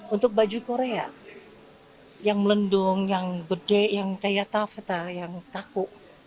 untuk baju korea yang melendung yang gede yang kayak tafta yang kaku